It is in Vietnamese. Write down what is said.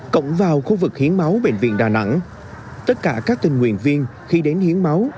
cổng vào khu vực hiến máu bệnh viện đà nẵng tất cả các tình nguyện viên khi đến hiến máu